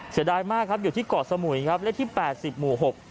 เสียดายมากครับอยู่ที่เกาะสมุยครับเลขที่๘๐หมู่๖